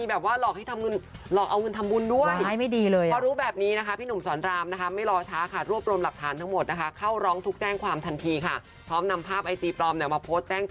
เป็นคนสร้างขึ้นมาใหม่ค่ะ